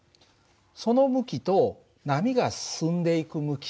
その向きと波が進んでいく向き